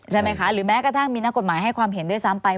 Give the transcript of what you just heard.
ใช่ไหมคะหรือแม้กระทั่งมีนักกฎหมายให้ความเห็นด้วยซ้ำไป